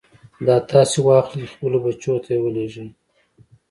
دا تاسې واخلئ خپلو بچو ته يې ولېږئ.